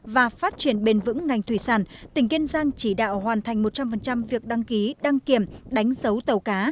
và phát triển bền vững ngành thủy sản tỉnh kiên giang chỉ đạo hoàn thành một trăm linh việc đăng ký đăng kiểm đánh dấu tàu cá